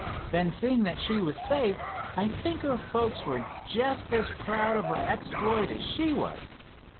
Then, seeing that she was safe, I think her folks were just as proud of her exploit as she was.